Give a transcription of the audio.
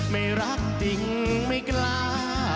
ไม่รักจริงไม่กล้า